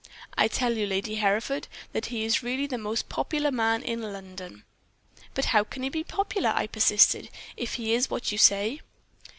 "'I tell you, Lady Hereford, that he is really the most popular man in London.' "'But how can he be popular,' I persisted, 'if he is what you say?'